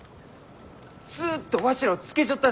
ずっとわしらをつけちょったじゃろうが！